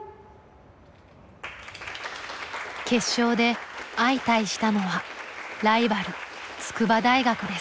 決勝で相対したのはライバル筑波大学です。